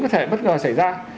có thể bất ngờ xảy ra